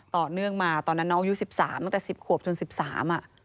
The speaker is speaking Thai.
ต่อเนื่องมาตอนนั้นน้องอายุ๑๓ตั้งแต่๑๐ขวบจน๑๓อ่ะ